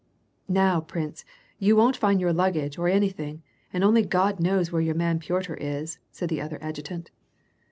"Now, prince, you won't find your luggage, or anything, and only God knows where your man, Piotr, is," said the other adjutant.